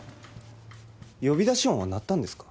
呼び出し音は鳴ったんですか？